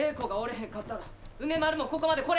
へんかったら梅丸もここまで来れ